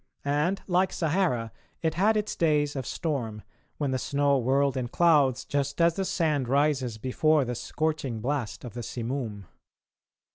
And, like Sahara, it had its days of storm, when the snow whirled in clouds just as the sand rises before the scorching blast of the simoom.